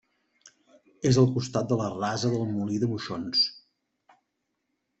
És al costat de la rasa del Molí de Moixons.